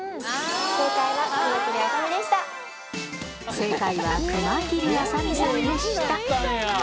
正解は熊切あさ美でした。